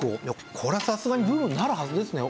これはさすがにブームになるはずですね。